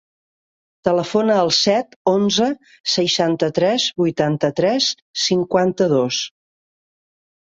Telefona al set, onze, seixanta-tres, vuitanta-tres, cinquanta-dos.